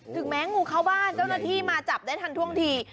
ถึงแม้งูเข้าบ้านเจ้าหน้าที่มาจับได้ทันท่วงที